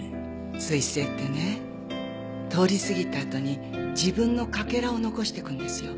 彗星ってね通り過ぎたあとに自分のかけらを残していくんですよ。